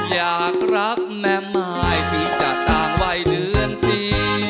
อยากรักแม่หมายถึงจะต่างวัยเดือนปี